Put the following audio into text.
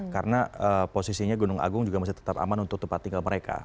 karena posisinya gunung agung juga masih tetap aman untuk tempat tinggal mereka